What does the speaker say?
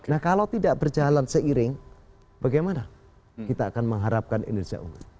nah kalau tidak berjalan seiring bagaimana kita akan mengharapkan indonesia unggul